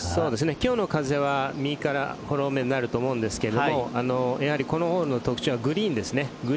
今日の風は右からフォローめになると思うんですがこのホールの特徴はグリーンですね。